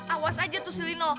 awas aja tuh si lino